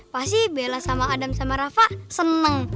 pasti bela sama adam sama rafa seneng